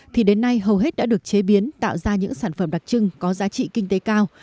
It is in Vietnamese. thì đến nay hầu hết đã được chế biến tạo ra những sản phẩm đặc trưng có giá trị kinh tế cao